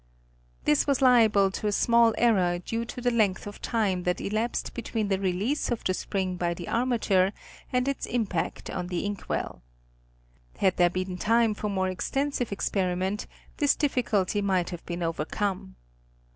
This was liable to a small error due to the length of time that elapsed between the release of the spring by the armature and its Telegraphic Determinations of Longitude. 21 impact on the ink well. Had there been time for more extensive experiment this difficulty might have been overcome.